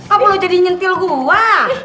apa lo jadi nyentil gua